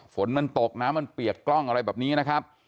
ฝนมันตกน้ำมันเปียกกล้องอะไรแบบนี้นะครับ